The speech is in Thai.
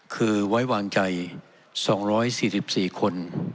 คือไว้วางใจ๒๔๔คน